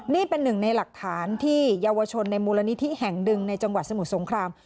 นี่เป็นหนึ่งในหลักฐานที่เยาวชนในมูลนิธิแห่งหนึ่งในจังหวัดสมุทรสงคราม